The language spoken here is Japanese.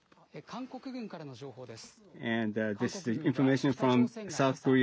韓国軍からの情報です。